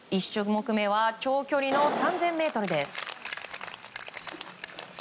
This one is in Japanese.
１種目めは長距離の３０００ｍです。